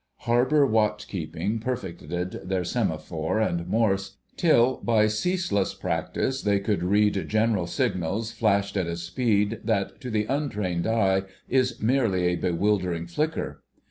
Harbour watch keeping perfected their semaphore and Morse, till by ceaseless practice they could read general signals flashed at a speed that to the untrained eye is merely a bewildering flicker.